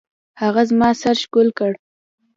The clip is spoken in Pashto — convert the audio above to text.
هغه زما سر ښکل کړ.